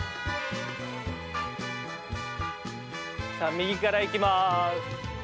右からいきます。